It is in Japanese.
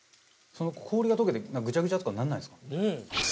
氷が溶けてぐちゃぐちゃとかにならないんですか？